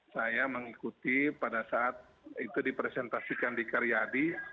saya mengikuti pada saat itu dipresentasikan di karyadi